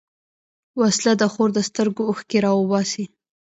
وسله د خور د سترګو اوښکې راوباسي